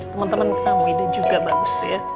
teman teman kamu ini juga bagus tuh ya